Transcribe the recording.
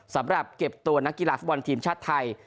สำหรับเก็บตัวนักกีฬาฟุตบอลทีมชาติไทย